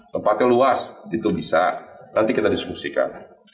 tempatnya luas itu bisa nanti kita diskusikan